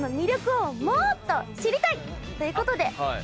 ということで。